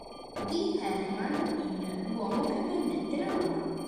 D. Harriman in "L'uomo che vendette la Luna".